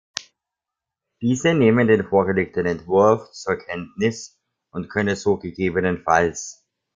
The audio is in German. Diese nehmen den vorgelegten Entwurf zur Kenntnis und können so ggf.